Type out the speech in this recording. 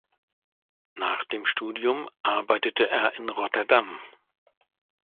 Nach dem Studium arbeitete er in Rotterdam.